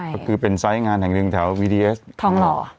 ก็คือเป็นไซส์งานแห่งหนึ่งแถววีดีเอสทองหล่อ